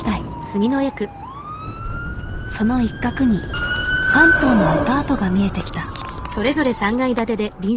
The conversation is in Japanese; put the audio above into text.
その一角に３棟のアパートが見えてきた。